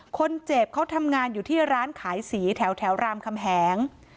คนเจ็บเขาทำงานอยู่ที่ร้านขายสีแถวรามคำแหง